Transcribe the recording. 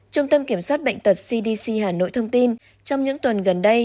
trung tâm kiểm soát bệnh tật cdc hà nội thông tin trong những tuần gần đây